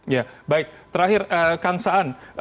ya baik terakhir kang saan